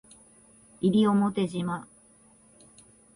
西表島